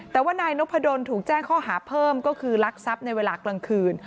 แต่ว่านายนพดลถูกแจ้งข้อหาเพิ่มก็คือลักทรัพย์ในเวลากลางคืน